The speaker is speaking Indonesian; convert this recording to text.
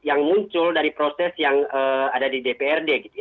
yang muncul dari proses yang ada di dprd gitu ya